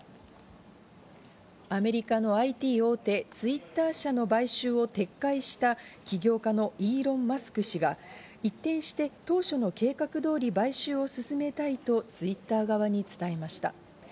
アメリカのＩＴ大手・Ｔｗｉｔｔｅｒ社の買収を撤回した起業家のイーロン・マスク氏が一転して、当初の計画通り買収を進めたいとＴｗｉｔｔｅｒ側に伝えました。